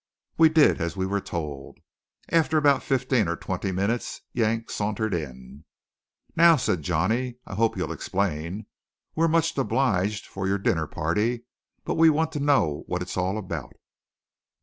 We did as we were told. After about fifteen or twenty minutes Yank sauntered in. "Now," said Johnny, "I hope you'll explain. We're much obliged for your dinner party, but we want to know what it is all about."